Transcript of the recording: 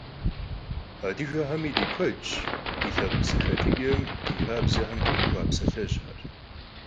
Adıgexemi di kuedş di lhepkh zexetıç'em, di xabzexem têuxua psalhejxer.